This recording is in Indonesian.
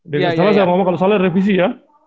kalau salah saya ngomong kalau salah revisi ya